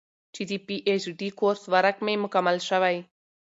چې د پي اېچ ډي کورس ورک مې مکمل شوے